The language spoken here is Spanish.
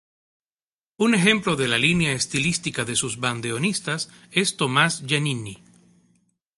Un ejemplo de la línea estilística de sus bandoneonistas es Tomás Giannini.